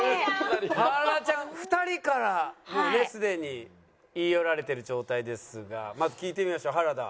はらちゃん２人からもうねすでに言い寄られてる状態ですがまず聞いてみましょう原田。